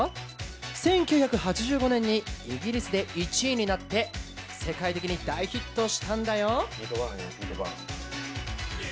１９８５年にイギリスで１位になって世界的に大ヒットしたんだよ。